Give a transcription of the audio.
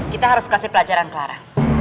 kita harus kasih pelajaran clara